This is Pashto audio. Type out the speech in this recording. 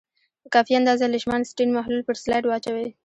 په کافي اندازه لیشمان سټین محلول پر سلایډ واچوئ.